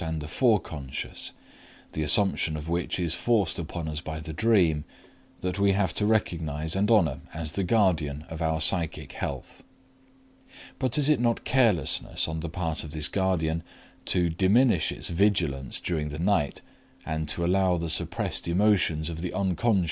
and the Forec., the assumption of which is forced upon us by the dream, that we have to recognize and honor as the guardian of our psychic health. But is it not carelessness on the part of this guardian to diminish its vigilance during the night and to allow the suppressed emotions of the Unc.